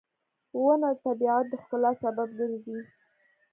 • ونه د طبیعت د ښکلا سبب ګرځي.